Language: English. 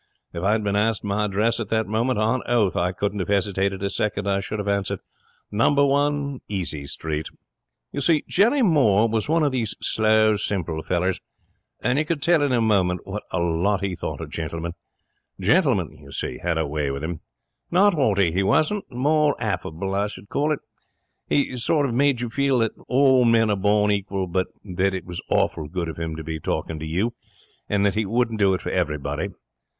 If I had been asked my address at that moment, on oath, I wouldn't have hesitated a second. I should have answered, "No. 1, Easy Street." You see, Jerry Moore was one of these slow, simple fellers, and you could tell in a moment what a lot he thought of Gentleman. Gentleman, you see, had a way with him. Not haughty, he wasn't. More affable, I should call it. He sort of made you feel that all men are born equal, but that it was awful good of him to be talking to you, and that he wouldn't do it for everybody.